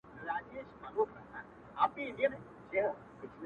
• خره لېوه ته ویل ځه کار دي تمام دی ,